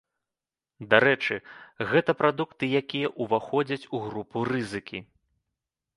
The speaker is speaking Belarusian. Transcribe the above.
Дарэчы, гэта прадукты, якія ўваходзяць у групу рызыкі.